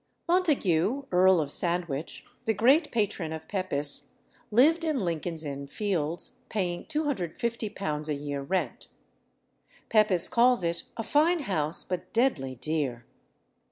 Montague, Earl of Sandwich, the great patron of Pepys, lived in Lincoln's Inn Fields, paying £250 a year rent. Pepys calls it "a fine house, but deadly dear."